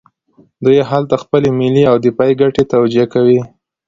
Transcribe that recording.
دوی هلته خپلې ملي او دفاعي ګټې توجیه کوي.